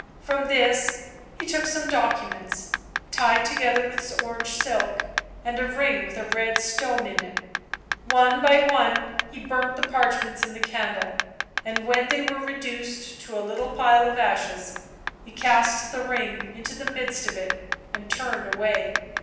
From this he took some documents, tied together with orange silk, and a ring with a red stone in it. One by one he burnt the parchments in the candle, and when they were reduced to a little pile of ashes he cast the ring into the midst of it and turned away.